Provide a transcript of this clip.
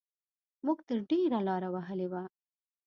موږ تر ډېره لاره وهلې وه.